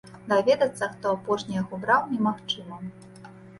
Даведацца, хто апошні яго браў, немагчыма.